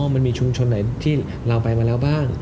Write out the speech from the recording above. มันมีชุมชนไหนที่เราไปมาแล้วบ้าง